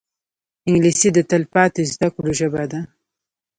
انګلیسي د تلپاتې زده کړو ژبه ده